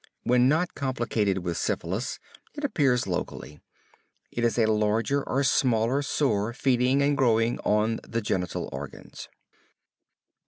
When not complicated with syphilis, it appears locally. It is a larger or smaller sore feeding and growing on the genital organs.